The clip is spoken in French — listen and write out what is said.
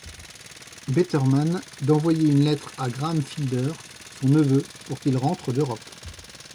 Betterman d'envoyer une lettre à Graham Fielder, son neveu, pour qu'il rentre d'Europe.